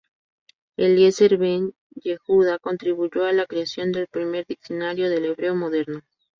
Eliezer Ben Yehuda contribuyó a la creación del primer diccionario del hebreo moderno.